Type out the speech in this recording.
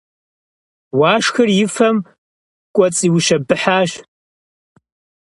Уашхэр и фэм кӏуэцӏиущэбыхьащ.